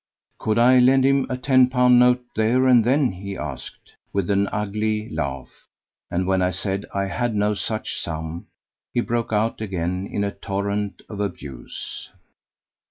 Could I lend him a ten pound note there and then? he asked, with an ugly laugh; and when I said, I had no such sum, he broke out again in a torrent of abuse.